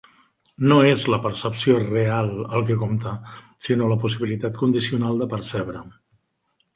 No és la percepció "real" el que compte, sinó la "possibilitat" condicional de percebre.